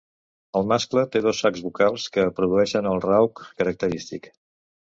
El mascle té dos sacs vocals que produeixen el rauc característic.